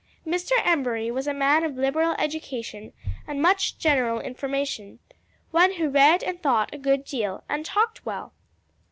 Mr. Embury was a man of liberal education and much general information one who read and thought a good deal and talked well.